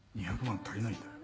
２００万足りないんだよ。